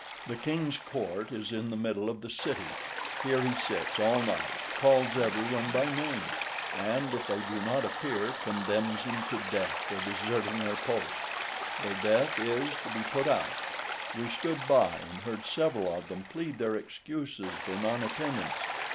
The king's court is in the middle of the city; here he sits all night, calls every one by name, and if they do not appear, condemns them to death for deserting their post; their death is, to be put out; we stood by and heard several of them plead their excuses for non attendance.